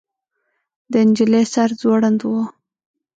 د نجلۍ سر ځوړند و.